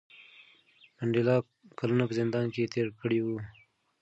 منډېلا کلونه په زندان کې تېر کړي وو.